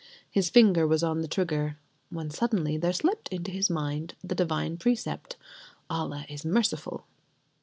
His finger was on the trigger, when suddenly there slipped into his mind the divine precept: "Allah is merciful!"